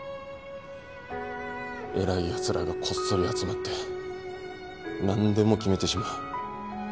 偉いやつらがこっそり集まって何でも決めてしまう。